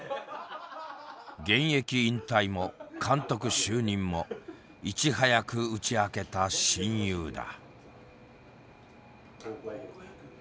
現役引退も監督就任もいち早く打ち明けた親友だ。